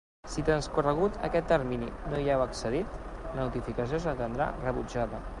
Si transcorregut aquest termini no hi heu accedit, la notificació s'entendrà rebutjada.